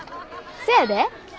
そやで。